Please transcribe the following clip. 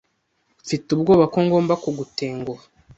Mfite ubwoba ko ngomba kugutenguha.